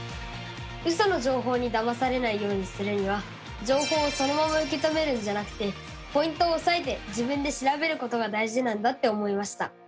ウソの情報にだまされないようにするには情報をそのまま受け止めるんじゃなくてポイントをおさえて自分で調べることが大事なんだって思いました！